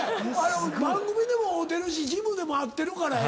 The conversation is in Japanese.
番組でも会うてるしジムでも会ってるからやな。